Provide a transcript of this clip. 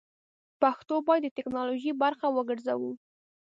پښتو بايد د ټيکنالوژۍ برخه وګرځوو!